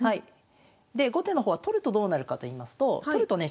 で後手の方は取るとどうなるかといいますと取るとね